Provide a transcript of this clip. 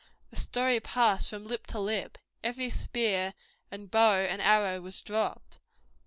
The story passed from lip to lip. Every spear and bow and arrow was dropped.